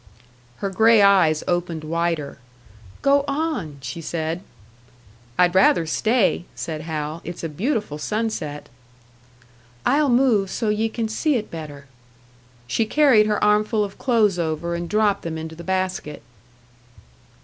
Her grey eyes opened wider. "Go on!" she said. "I'd rather stay," said Hal. "It's a beautiful sunset." "I'll move, so ye can see it better." She carried her armful of clothes over and dropped them into the basket.